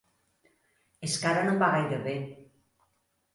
És que ara no em va gaire bé.